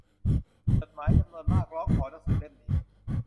จดหมายจำนวนมากร้องขอหนังสือเล่มนี้